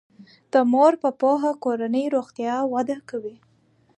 د مور په پوهه کورنی روغتیا وده کوي.